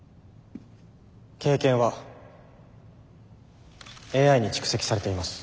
経験はＡＩに蓄積されています。